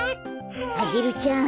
アゲルちゃん